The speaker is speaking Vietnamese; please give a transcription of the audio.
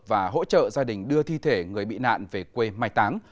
và hỗ trợ gia đình đưa thi thể người bị nạn về quê mai táng